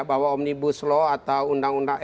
bahwa omnibus law atau undang undang